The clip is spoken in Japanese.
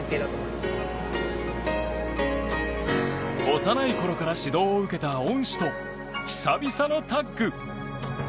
幼い頃から指導を受けた恩師と久々のタッグ。